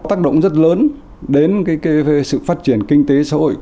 tác động rất lớn đến sự phát triển kinh tế xã hội